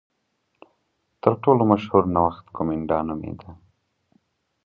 تر ټولو مشهور نوښت کومېنډا نومېده.